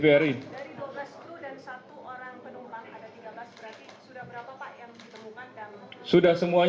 dari dua belas dan satu orang penumpang ada tiga belas berarti sudah berapa pak